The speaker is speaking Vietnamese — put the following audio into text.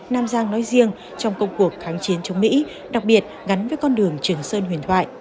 nam giang nói riêng trong công cuộc kháng chiến chống mỹ đặc biệt gắn với con đường trường sơn huyền thoại